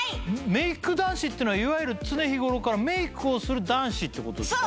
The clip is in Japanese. メイク男子っていうのはいわゆる常日頃からメイクをする男子って事ですか？